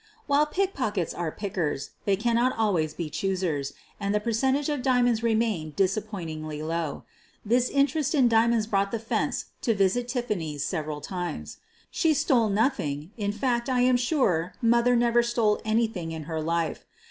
While pickpockets are "pickers," they cannot al ways be choosers, and the percentage of diamonds remained disappointingly low. This interest in diamonds brought the "fence" to visit Tiffany's several times. She stole nothing, in fact, I am sure "Mother" never stole anything in her life.